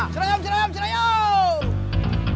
serayam serayam serayam